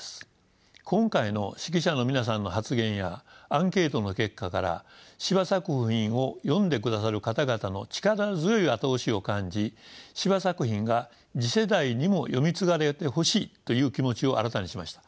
今回の識者の皆さんの発言やアンケートの結果から司馬作品を読んでくださる方々の力強い後押しを感じ司馬作品が次世代にも読み継がれてほしいという気持ちを新たにしました。